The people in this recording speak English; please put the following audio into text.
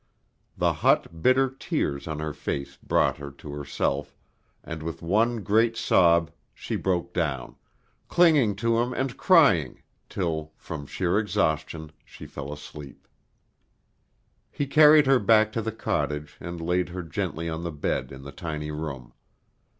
The hot, bitter tears on her face brought her to herself, and with one great sob she broke down, clinging to him and crying till from sheer exhaustion she fell asleep. He carried her back to the cottage and laid her gently on the bed in the tiny room.